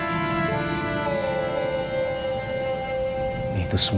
karena mereka menipu orang lain kentucky experts